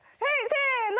せの！